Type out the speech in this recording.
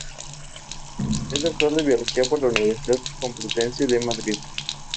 Es Doctor en Biología por la Universidad Complutense de Madrid.